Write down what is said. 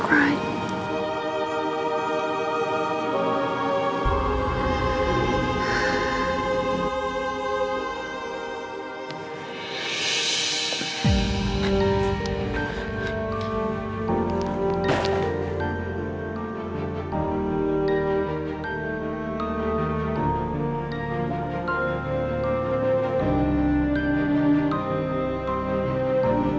jangan lupa untuk mencoba